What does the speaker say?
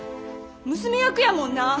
娘役やもんな。